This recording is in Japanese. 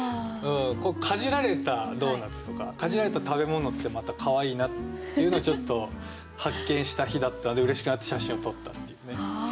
かじられたドーナツとかかじられた食べ物ってまたかわいいなっていうのをちょっと発見した日だったのでうれしくなって写真を撮ったっていうね。